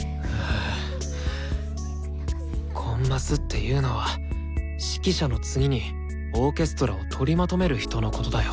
はぁコンマスっていうのは指揮者の次にオーケストラを取りまとめる人のことだよ。